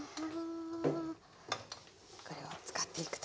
これを使っていくと。